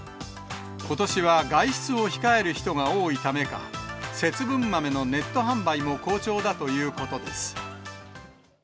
ことしは外出を控える人が多いためか、節分豆のネット販売も好調だということです。